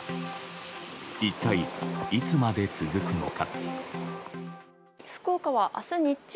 一体いつまで続くのか。